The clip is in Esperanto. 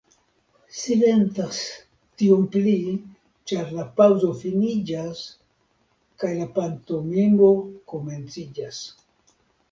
Silentas, tiom pli, ĉar la paŭzo finiĝas kaj la pantomimo komenciĝas.